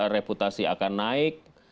reputasi akan naik